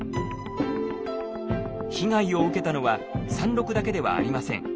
被害を受けたのは山麓だけではありません。